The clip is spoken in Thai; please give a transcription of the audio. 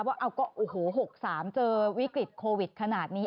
ว่าโอ้โห๖๓เจอวิกฤตโควิดขนาดนี้